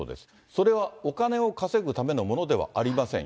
それはお金を稼ぐためのものではありません。